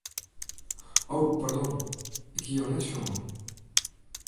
O pardon, ik hie jo net sjoen.